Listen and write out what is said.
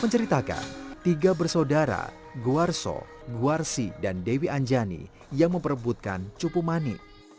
menceritakan tiga bersaudara guarso guarsi dan dewi anjani yang memperebutkan cupumani